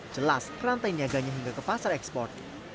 jelas rantai niaganya hingga ke pasar ekspor